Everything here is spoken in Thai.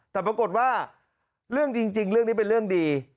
แต่ปรากฏว่าเรื่องจริงเรื่องนี้เป็นเรื่องดี